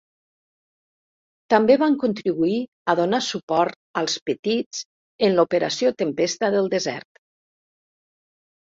També van contribuir a donar suport als petits en l'Operació Tempesta del Desert.